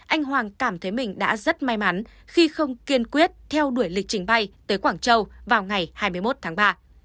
anh hoàng cảm thấy mình đã rất may mắn khi không kiên quyết theo đuổi lịch trình bay tới quảng châu vào ngày hai mươi một tháng ba